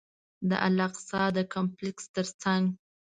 د الاقصی د کمپلکس تر څنګ.